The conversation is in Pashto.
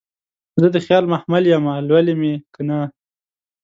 زه دخیال محمل یمه لولی مې کنه